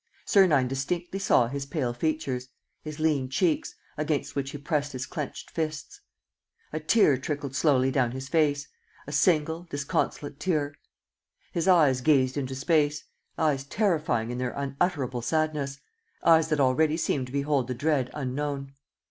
Sernine distinctly saw his pale features, his lean cheeks, against which he pressed his clenched fists. A tear trickled slowly down his face, a single, disconsolate tear. His eyes gazed into space, eyes terrifying in their unutterable sadness, eyes that already seemed to behold the dread unknown.